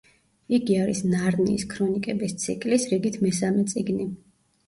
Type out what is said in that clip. იგი არის ნარნიის ქრონიკების ციკლის რიგით მესამე წიგნი.